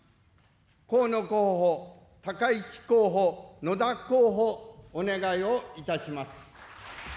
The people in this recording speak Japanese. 河野候補、高市候補、野田候補、お願いをいたします。